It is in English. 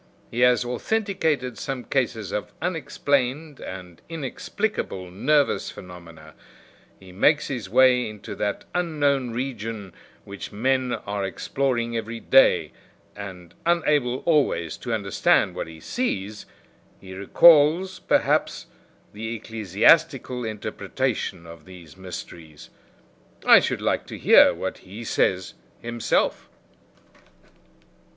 He has authenticated some cases of unexplained and inexplicable nervous phenomena; he makes his way into that unknown region which men are exploring every day, and unable always to understand what he sees, he recalls, perhaps, the ecclesiastical interpretation of these mysteries. I should like to hear what he says himself."